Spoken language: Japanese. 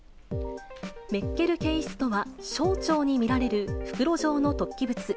メッケル憩室とは、小腸に見られる袋状の突起物。